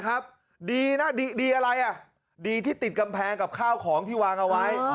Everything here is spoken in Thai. ดีนะดีอะไรอ่ะดีที่ติดกำแพงกับข้าวของที่วางเอาไว้